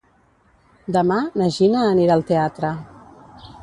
Demà na Gina anirà al teatre.